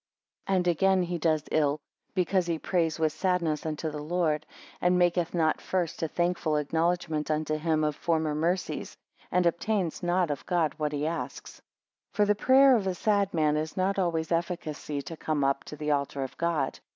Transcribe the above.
And again he does ill, because be prays with sadness unto the Lord, and maketh not first a thankful acknowledgment unto him of former mercies, and obtains not of God what he asks. 21 For the prayer of a sad man has not always efficacy to come up to the altar of God.